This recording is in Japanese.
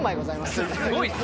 すごい。